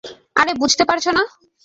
আরে, বুঝতে পারছো না?